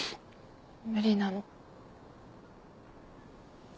無理なの。